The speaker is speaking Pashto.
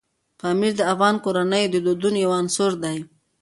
پامیر د افغان کورنیو د دودونو یو عنصر دی.